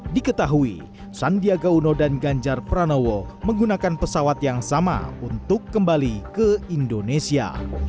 diketahui sandiaga uno dan ganjar pranowo menggunakan pesawat yang sama untuk kembali ke indonesia